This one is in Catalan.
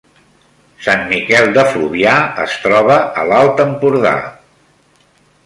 Sant Miquel de Fluvià es troba a l’Alt Empordà